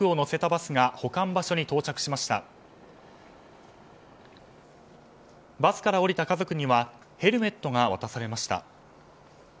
バスから降りた家族にはヘルメットが渡されました。